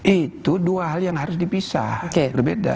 itu dua hal yang harus dibisah